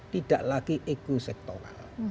tidak lagi ekosektoral